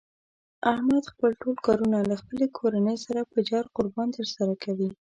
احمد خپل ټول کارونه له خپلې کورنۍ سره په جار قربان تر سره کوي.